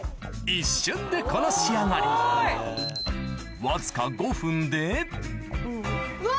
一瞬でこの仕上がりわずか５分でうわ！